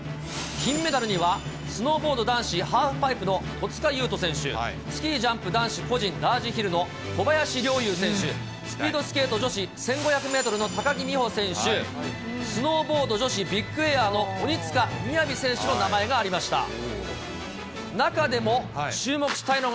金メダルには、スノーボード男子ハーフパイプの戸塚優斗選手、スキージャンプ男子個人ラージヒルの小林陵侑選手、スピードスケート女子１５００メートルの高木美帆選手、スノーボード女子ビッグエアのおにづか雅選手の名前がありました。